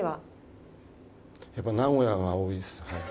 やっぱり名古屋が多いですはい。